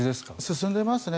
進んでいますね。